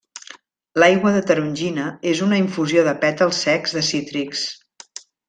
L'aigua de tarongina és una infusió de pètals secs de cítrics.